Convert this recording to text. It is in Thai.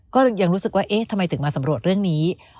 ก็ยังรู้สึกว่าเอ๊ะทำไมถึงมาสำรวจเรื่องนี้